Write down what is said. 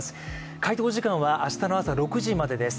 回答時間は明日の朝６時までです。